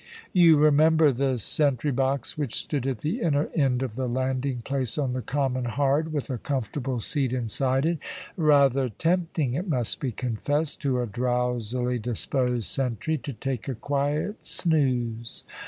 You remember the sentry box which stood at the inner end of the landing place on the Common Hard, with a comfortable seat inside it, rather tempting, it must be confessed, to a drowsily disposed sentry to take a quiet snooze.